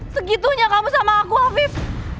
segitunya kamu sama aku hafib